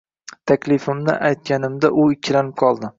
Taklifimni aytganimda u ikkilanib qoldi